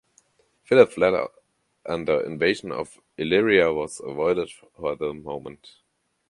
Philip fled and the invasion of Illyria was avoided for the moment.